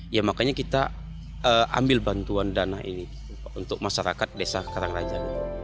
ya makanya kita ambil bantuan dana ini untuk masyarakat desa karangraja